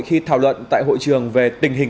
khi thảo luận tại hội trường về tình hình